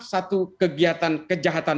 satu kegiatan kejahatan